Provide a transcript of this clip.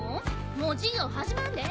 もう授業始まんで。